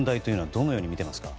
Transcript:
どのように見てますか？